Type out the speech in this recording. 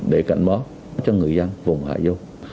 để cảnh báo cho người dân vùng hải dương